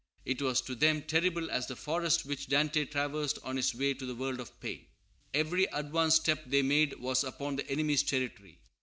It was to them terrible as the forest which Dante traversed on his way to the world of pain. Every advance step they made was upon the enemy's territory.